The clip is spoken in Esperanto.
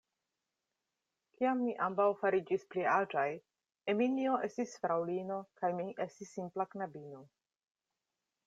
Kiam ni ambaŭ fariĝis pli aĝaj, Eminjo estis fraŭlino kaj mi estis simpla knabino.